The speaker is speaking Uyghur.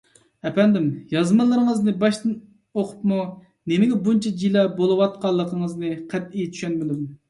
ئەپەندىم، يازمىلىرىڭىزنى باشتىن ئوقۇپمۇ نېمىگە بۇنچە جىلە بولۇۋاتقانلىقىڭىزنى قەتئىي چۈشەنمىدىم.